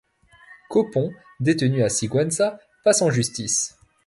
Copons, détenu à Siguenza, passe en justice.